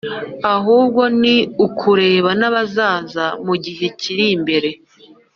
ahubwo ni ukureba n'abazaza mu gihe kiri mbere